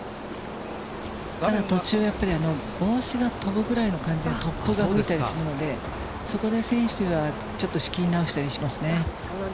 途中帽子が飛ぶくらいの感じの突風が吹いたりするのでそこで選手が仕切り直したりしますね。